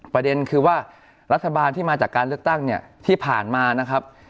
ประเด็นคือว่ารัฐบาลที่มาจากการเลือกตั้งเนี่ยที่ผ่านมานะครับ